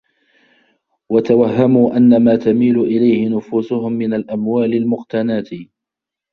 وَتَوَهَّمُوا أَنَّ مَا تَمِيلُ إلَيْهِ نُفُوسُهُمْ مِنْ الْأَمْوَالِ الْمُقْتَنَاةِ